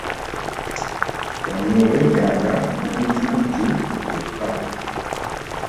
Wano weetaaga bakujjukujju bokka.